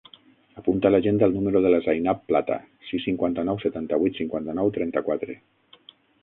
Apunta a l'agenda el número de la Zainab Plata: sis, cinquanta-nou, setanta-vuit, cinquanta-nou, trenta-quatre.